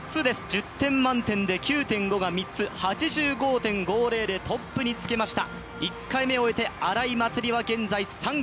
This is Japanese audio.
１０点満点で９．５が３つ、８５．００で、トップにつけました。